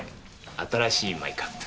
新しいマイカップ。